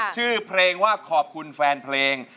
ชื่อเพลงว่าขอบคุณแฟนเพลง